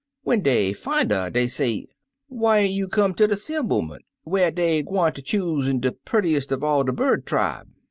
When dey fin' 'er, dey say, 'Whyn't you come ter de 'semblement, whar dey gwineter choosen de purtiest er all de bird tribe?'